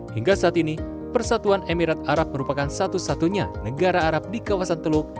hingga saat ini persatuan emirat arab merupakan satu satunya negara arab di kawasan teluk